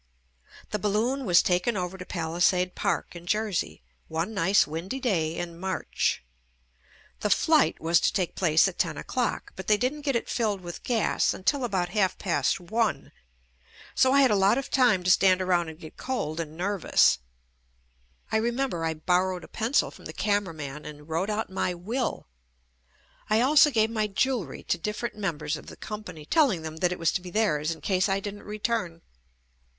The balloon was taken over to Palisade Park in Jersey, one nice windy day in March. The flight was to take place at ten o'clock, but they didn't get it filled with gas until about half past one. So I had a lot of time to stand around and get cold and nervous. I remember I borrowed a pencil from the camera man, and wrote out my will. I also gave my jewelry to different members of the company, telling them that it was to be theirs in case I didn't return.